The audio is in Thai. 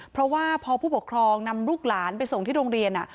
เพราะว่าพอผู้ปกครองนำลูกหลานไปส่งที่โรงเรียน